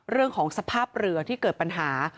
เรื่องของสภาพเรือที่เกิดปัญหา